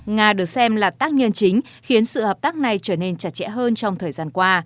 nga được xem là tác nhân chính khiến sự hợp tác này trở nên chặt chẽ hơn trong thời gian qua